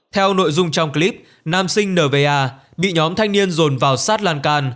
theo nội dung trong clip nam sinh nva bị nhóm thanh niên dồn vào sát lan can